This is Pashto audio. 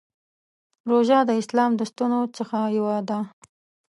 روژه د اسلام د ستنو څخه یوه ده.